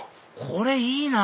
これいいな！